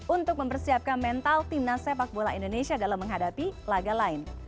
untuk mempersiapkan mental timnas sepak bola indonesia dalam menghadapi laga lain